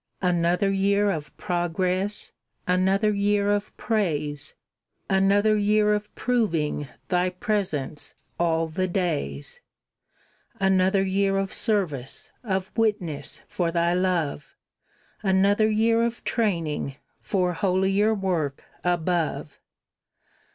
Another year of progress, Another year of praise; Another year of proving Thy presence 'all the days.' Another year of service, Of witness for Thy love; Another year of training For holier work above.